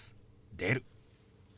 「出る」。